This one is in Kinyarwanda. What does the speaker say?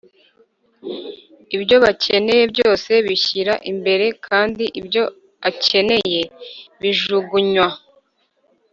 ibyo bakeneye byose bishyira imbere kandi ibyo akeneye bijugunywa.